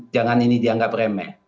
jangan ini dianggap remeh